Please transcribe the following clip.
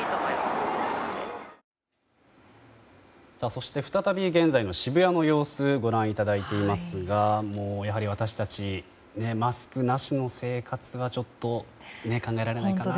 そして再び現在の渋谷の様子をご覧いただいていますがやはり私たちマスクなしの生活はちょっと考えられないかな。